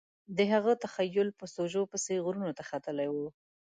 د هغه تخیل په سوژو پسې غرونو ته ختلی و